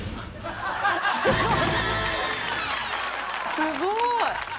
すごい！